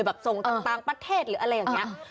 ส่งต่างประเทศหรืออะไรอย่างนี้